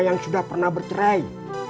yang sudah pernah bercerai